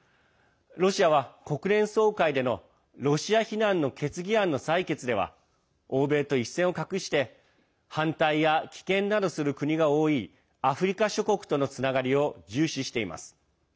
ロシアは国連総会でのロシア非難の決議案の採決では欧米と一線を画して反対や棄権などする国が多いアフリカ諸国とのつながりを重視しています。